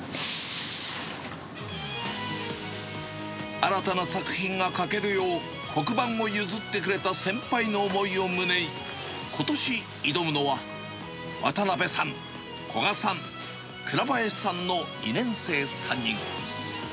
新たな作品が描けるよう、黒板を譲ってくれた先輩の思いを胸に、ことし挑むのは、渡辺さん、古賀さん、倉林さんの２年生３人。